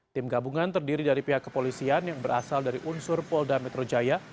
tim gabungan terdiri dari pihak kepolisian yang berasal dari unsur polda metro jaya